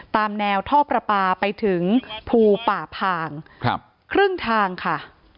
ตามแนวท่อประปาไปถึงภูป่าพางครึ่งทางค่ะ